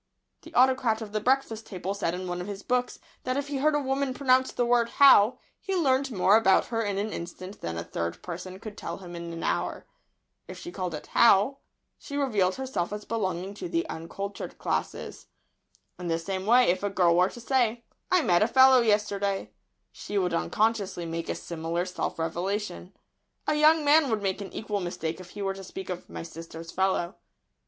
[Sidenote: The "Autocrat's" test word.] The Autocrat of the Breakfast table said in one of his books that if he heard a woman pronounce the word "How," he learned more about her in an instant than a third person could tell him in an hour. If she called it "haow," she revealed herself as belonging to the uncultured classes. In the same way, if a girl were to say "I met a fellow yesterday," she would unconsciously make a similar self revelation. A young man would make an equal mistake if he were to speak of "my sister's fellow."